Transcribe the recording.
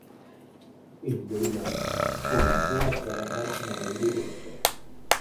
En Florida comenzó a trabajar como modelo erótica.